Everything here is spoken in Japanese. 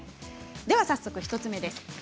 では早速、１つ目です。